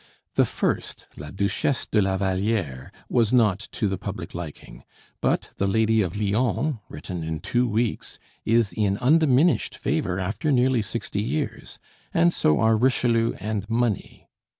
The first 'La Duchesse de la Valliere' was not to the public liking; but 'The Lady of Lyons,' written in two weeks, is in undiminished favor after near sixty years; and so are 'Richelieu' and 'Money.'